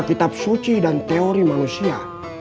kitab suci dan teori manusia